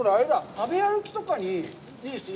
食べ歩きとかにいいですね。